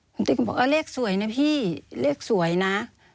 คุณติ๊กก็บอกเลขสวยนะพี่เลขสวยนะ